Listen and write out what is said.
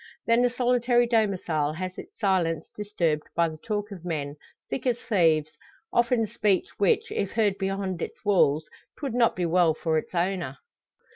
Then the solitary domicile has its silence disturbed by the talk of men, thick as thieves often speech which, if heard beyond its walls, 'twould not be well for its owner.